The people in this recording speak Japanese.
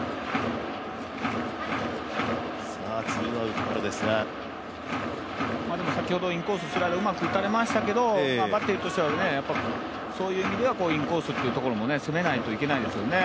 ツーアウトですが先ほどインコーススライダーうまく打たれましたけどバッテリーとしては、そういう意味ではインコースというところも攻めないといけないですよね。